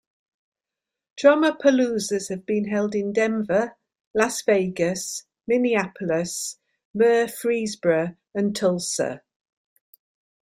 TromaPaloozas have been held in Denver, Las Vegas, Minneapolis, Murfreesboro, and Tulsa.